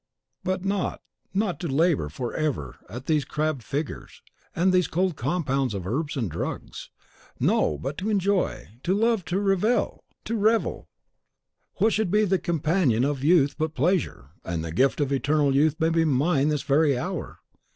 But not [thinks the neophyte now] not to labour forever at these crabbed figures and these cold compounds of herbs and drugs. No; but to enjoy, to love, to revel! What should be the companion of youth but pleasure? And the gift of eternal youth may be mine this very hour!